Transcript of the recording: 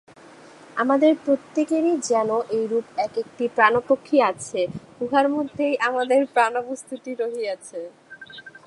আমাদের প্রত্যেকেরও যেন এইরূপ এক-একটি প্রাণ-পক্ষী আছে, উহার মধ্যেই আমাদের প্রাণবস্তুটি রহিয়াছে।